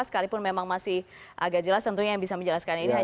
sekalipun memang masih agak jelas tentunya yang bisa menjelaskan ini